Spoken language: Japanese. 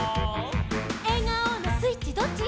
「えがおのスイッチどっち？」